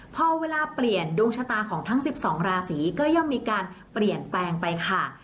พอเวลาเปลี่ยนดวงชะตาของทั้ง๑๒ราศีก็ย่อมมีการเปลี่ยนแปลงไปค่ะ